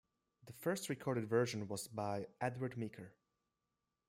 The first recorded version was by Edward Meeker.